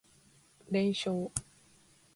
連勝